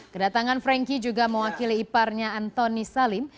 kedatangan frankie juga mewakili iparnya antoni salim